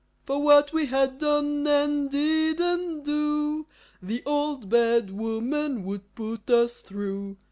For what we had done and didn't do The Old Bad Woman would put us through.